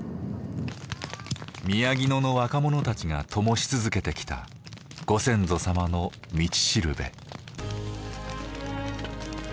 宮城野の若者たちがともし続けてきたご先祖様の道しるべ。